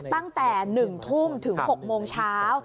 ตั้งแต่๑ทุ่มถึง๖โมงเช้า